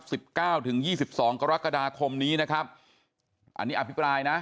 โปสเตอร์โหมโตรงของทางพักเพื่อไทยก่อนนะครับ